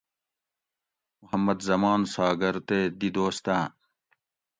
محمد زمان ساگر تے دی دوستاۤن